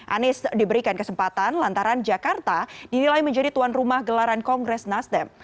anies diberikan kesempatan lantaran jakarta dinilai menjadi tuan rumah gelaran kongres nasdem